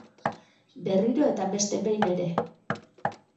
Berriro eta beste behin ere!